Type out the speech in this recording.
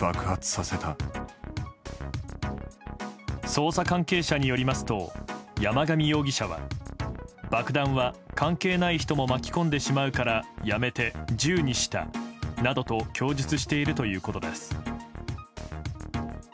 捜査関係者によりますと山上容疑者は爆弾は関係ない人も巻き込んでしまうからやめて銃にしたなどと供述しているということです。